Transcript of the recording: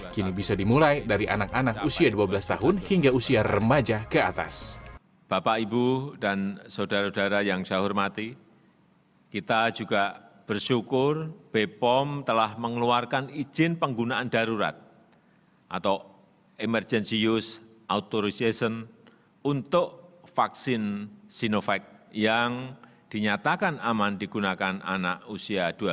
kini bisa dimulai dari anak anak usia dua belas tahun hingga usia remaja ke atas